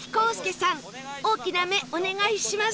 大きな目お願いします！